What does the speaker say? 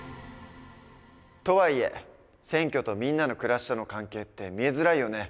とはいえ選挙とみんなの暮らしとの関係って見えづらいよね。